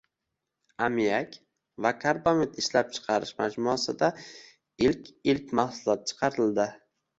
“Ammiak va karbamid ishlab chiqarish” majmuasida ilk ilk mahsulot chiqarildi